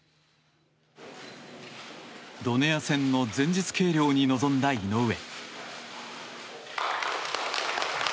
ドネア戦の前日計量に挑んだ井上。